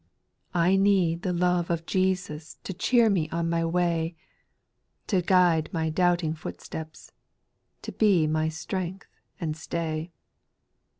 I need the love of Jesus to cheer me on my way, To guide my doubting footsteps, to be my strength and stay.